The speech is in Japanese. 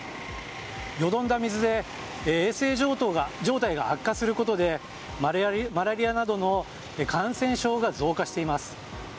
よどんだ水で衛生状態が悪化することでマラリアなどの感染症が増加しています。